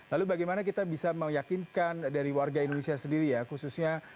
lalu bagaimana kita bisa meyakinkan dari warga indonesia sendiri ya khususnya warga di indonesia ya